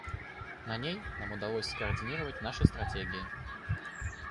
На ней нам удалось скоординировать наши стратегии.